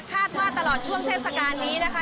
คาดว่าตลอดช่วงเทศกาลนี้นะคะ